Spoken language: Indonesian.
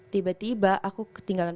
tiba tiba aku ketinggalan